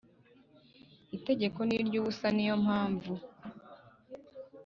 Itegeko ni iry ubusa Ni yo mpamvu